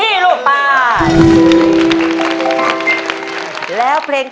เรียกประกันแล้วยังคะ